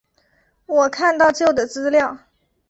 我看到旧的资料